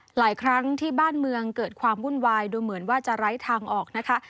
หลายครั้งที่บ้านเมืองเกิดความวุ่นวายดูเหมือนว่าจะไร้ทางออกนะคะ